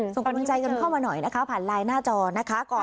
ส่งกำลังใจกันเข้ามาหน่อยนะคะผ่านไลน์หน้าจอนะคะ